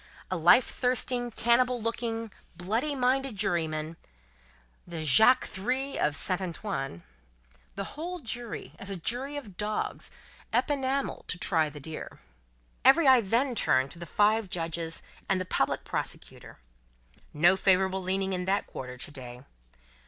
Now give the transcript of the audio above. A life thirsting, cannibal looking, bloody minded juryman, the Jacques Three of St. Antoine. The whole jury, as a jury of dogs empannelled to try the deer. Every eye then turned to the five judges and the public prosecutor. No favourable leaning in that quarter to day.